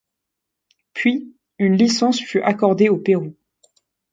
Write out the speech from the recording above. Puis une licence fut accordée au Pérou.